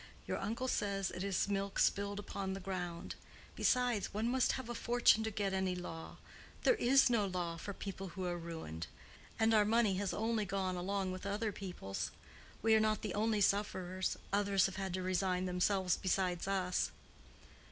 Your uncle says it is milk spilled upon the ground. Besides, one must have a fortune to get any law: there is no law for people who are ruined. And our money has only gone along with other people's. We are not the only sufferers: others have to resign themselves besides us."